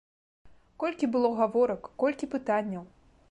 Колькі было гаворак, колькі пытанняў!